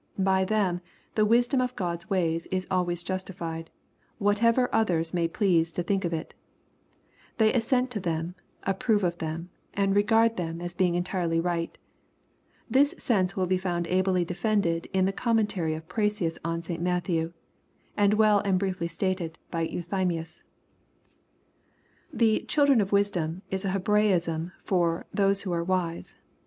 By them " the wisdom of God's ways is always justified, whatever others may please to think of it They assent to them, approve of them, and regard them as being entire ly right" This sense vnll be found ably defended in the commen tary of Paraeus on St Matthew, — and well and briefly stated by Euthymius. The " children of wisdom" is a Hebraism for " those who are wise."